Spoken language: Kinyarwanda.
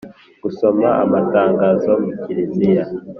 Gusoma amatangazo mu kiriziya